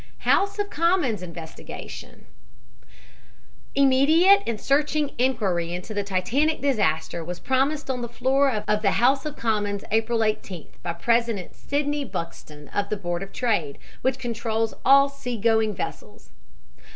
HOUSE OF COMMONS INVESTIGATION Immediate and searching inquiry into the Titanic disaster was promised on the floor of the House of Commons April 18th, by President Sidney Buxton, of the Board of Trade, which controls all sea going vessels.